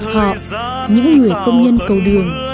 họ những người công nhân cầu đường